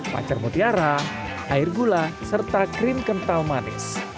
pacar mutiara air gula serta krim kental manis